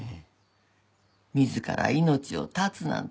自ら命を絶つなんてなあ。